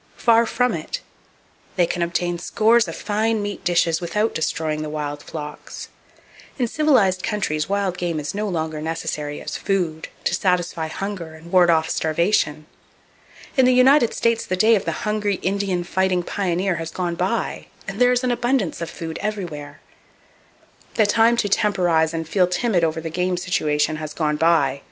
Far from it. They can obtain scores of fine meat dishes without destroying the wild flocks. In civilized countries wild game is no longer necessary as "food," to satisfy hunger, and ward off starvation. In the United States the day of the hungry Indian fighting pioneer has gone by and there is an abundance of food everywhere. The time to temporize and feel timid over the game situation has gone by.